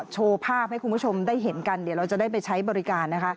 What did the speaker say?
โชว์ภาพให้คุณผู้ชมได้เห็นกันเดี๋ยวเราจะได้ไปใช้บริการนะคะ